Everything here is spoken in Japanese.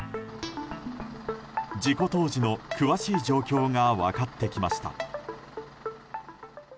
事故当時の詳しい状況が分かってきました。